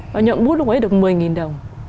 và nhận bút lúc ấy được một mươi đồng